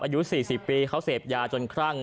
อายุ๔๐ปีเขาเสพยาจนครั่ง